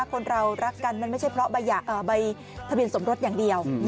คนเรารักกันมันไม่ใช่เพราะใบทะเบียนสมรสอย่างเดียว